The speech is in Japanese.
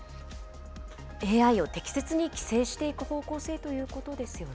ＡＩを適切に規制していく方向性ということですよね。